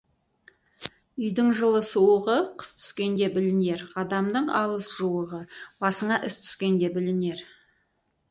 Үйдің жылы-суығы қыс түскенде білінер, адамның алыс-жуығы басыңа іс түскенде білінер.